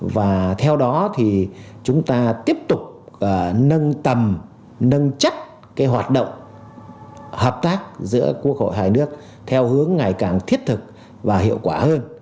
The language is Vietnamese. và theo đó thì chúng ta tiếp tục nâng tầm nâng chất hoạt động hợp tác giữa quốc hội hai nước theo hướng ngày càng thiết thực và hiệu quả hơn